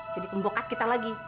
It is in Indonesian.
jadi kembokat kita lagi